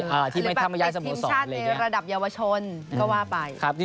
ติดทีมชาติในระดับเยาวชนก็ว่าไป